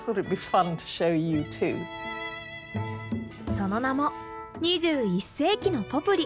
その名も２１世紀のポプリ！